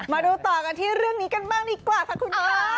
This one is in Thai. มาดูต่อกันที่เรื่องนี้กันบ้างดีกว่าค่ะคุณค่ะ